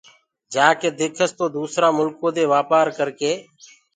جآڪي ديکس تو دوٚسرآ مُلڪو دي وآپآر ڪرڪي